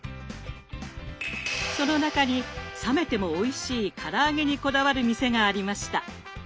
その中に冷めてもおいしいから揚げにこだわる店がありました。